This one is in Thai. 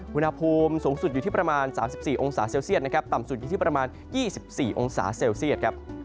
อุณหภูมิสูงสุดอยู่ที่ประมาณ๓๔องศาเซลเซียตนะครับต่ำสุดอยู่ที่ประมาณ๒๔องศาเซลเซียตครับ